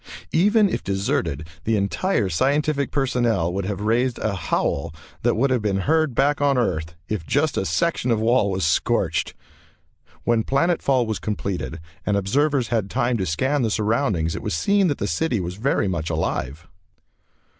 Even if deserted, the entire scientific personnel would have raised a howl that would have been heard back on Earth if just a section of wall was scorched. When planet fall was completed and observers had time to scan the surroundings it was seen that the city was very much alive.